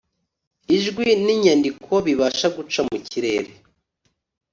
ijwi n’inyandiko bibasha guca mu kirere